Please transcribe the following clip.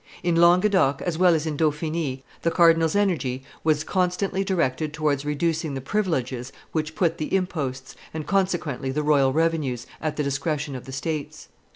In Languedoc as well as in Dauphiny the cardinal's energy was constantly directed towards reducing the privileges which put the imposts, and, consequently, the royal revenues, at the discretion of the states.